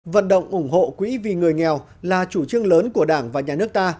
vận động ủng hộ quỹ vì người nghèo là chủ trương lớn của đảng và nhà nước ta